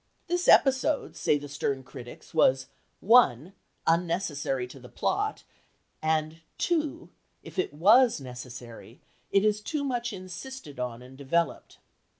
This episode, say the stern critics, was (1) unnecessary to the plot, and (2) if it was necessary, it is too much insisted on and developed.